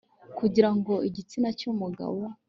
kugira ngo igitsina cy'umugabo